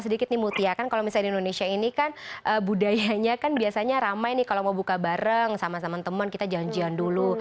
sedikit nih mutia kan kalau misalnya di indonesia ini kan budayanya kan biasanya ramai nih kalau mau buka bareng sama sama teman kita janjian dulu